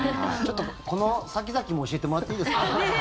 ちょっとこの先々も教えてもらっていいですか？